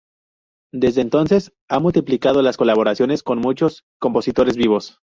Desde entonces, ha multiplicado las colaboraciones con muchos compositores vivos.